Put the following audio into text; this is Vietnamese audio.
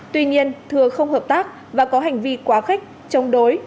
tuy nhiên thừa không hợp tác và có hành vi quá khích chống đối